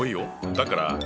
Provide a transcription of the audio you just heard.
だから。